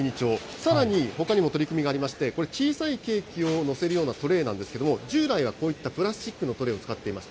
さらにほかにも取り組みがありまして、これ、小さいケーキを載せるようなトレーなんですけれども、従来はこういったプラスチックのトレーを使っていました。